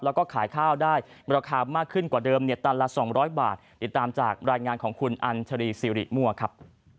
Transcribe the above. แล้วก็ขายข้าวได้ราคามากขึ้นกว่าเดิมเนี่ยตันละ๒๐๐บาทติดตามจากรายงานของคุณอัญชรีสิริมั่วครับ